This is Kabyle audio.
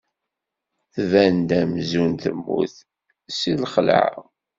Tban-d amzun temmut seg lxelɛa.